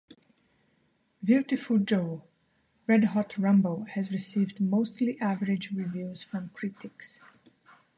"Viewtiful Joe: Red Hot Rumble" has received mostly average reviews from critics.